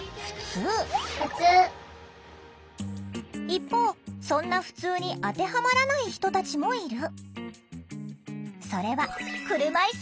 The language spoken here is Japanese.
一方そんなふつうに当てはまらない人たちもいる。